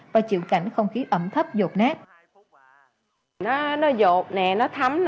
và chịu cảnh không khí ẩm thấp dột nát